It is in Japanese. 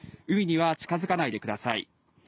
海には近づかないでください。